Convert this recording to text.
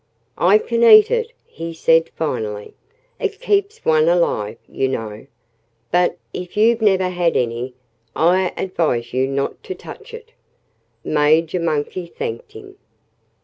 "I can eat it," he said finally. "It keeps one alive, you know. But if you've never had any, I advise you not to touch it." Major Monkey thanked him.